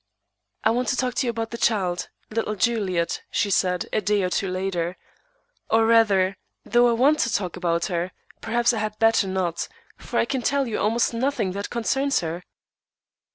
"I want to talk to you about the child, little Juliet," she said, a day or two later. "Or rather, though I want to talk about her, perhaps I had better not, for I can tell you almost nothing that concerns her."